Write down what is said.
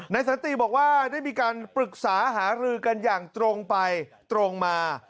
สันติบอกว่าได้มีการปรึกษาหารือกันอย่างตรงไปตรงมา